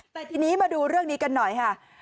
แต่ทีนี้มาดูเรื่องนี้กันหน่อยค่ะ